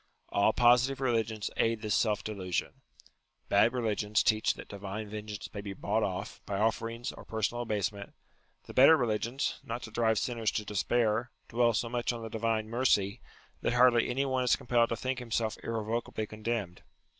All positive religions aid this self delusion. Bad religions teach that divine vengeance may be bought off, by offerings, or personal abasement ; the better religions, not to drive sinners to despair, dwell so much on the divine mercy, that hardly any one is compelled to think himself irrevocably condemned.